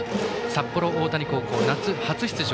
札幌大谷高校は、夏初出場。